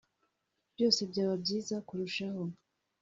byose byaba byiza kurushaho